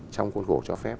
trong khuôn khổ cho phép